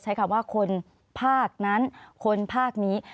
ใช้คำว่าคนภาคนั้นคนภาคนี้